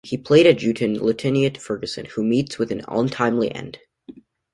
He played adjutant Lieutenant Ferguson who meets with an untimely end.